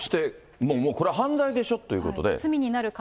そしてもうこれは犯罪でしょということで。